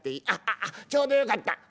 ああちょうどよかった。